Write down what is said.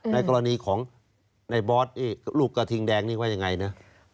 ในกรณีของในบอสนี่ลูกกระทิงแดงนี่ว่ายังไงนะ